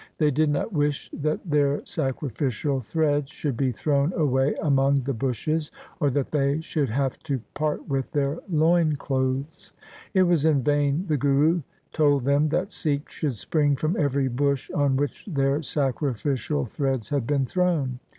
They did not wish that their sacrificial threads should be thrown away among the bushes, or that they should have to part with their loin clothes 1 . It was in vain the Guru told them that Sikhs should spring from every bush on which their sacrificial threads had been thrown.